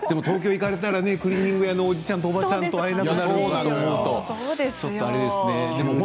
東京に行かれたらクリーニング屋のおじちゃんおばちゃんと会えなくなるからちょっとあれですね。